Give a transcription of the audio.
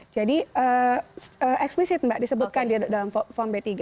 eksplisit mbak disebutkan di dalam form b tiga